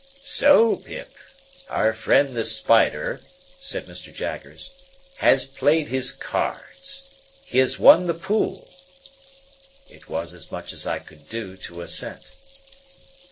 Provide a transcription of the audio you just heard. "So, Pip! Our friend the Spider," said Mr. Jaggers, "has played his cards. He has won the pool." It was as much as I could do to assent.